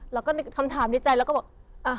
แล้วก็คำถามในใจแล้วก็บอกอ่ะ